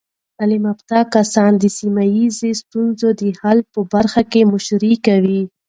تعلیم یافته کسان د سیمه ایزې ستونزو د حل په برخه کې مشري کوي.